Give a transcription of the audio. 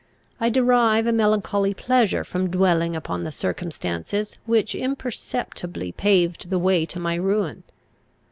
I derive a melancholy pleasure from dwelling upon the circumstances which imperceptibly paved the way to my ruin.